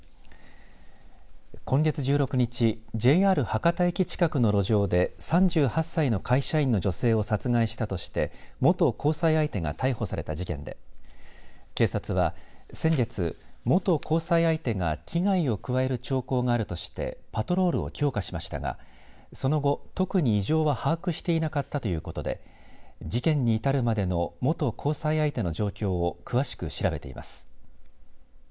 今月１６日ＪＲ博多駅近くの路上で３８歳の会社員の女性を殺害したとして元交際相手が逮捕された事件で警察は先月元交際相手が危害を加える兆候があるとしてパトロールを強化しましたがその後、特に異常は把握していなかったということで事件に至るまでの元交際相手の状況を詳しく調べています。